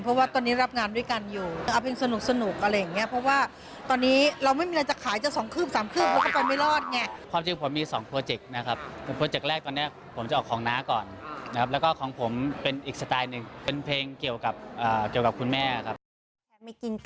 เพราะว่าตอนนี้เราก็รับงานด้วยกัน